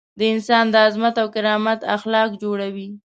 د انسان د عظمت او کرامت اخلاق جوړوي.